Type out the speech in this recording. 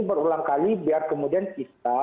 berulang kali biar kemudian kita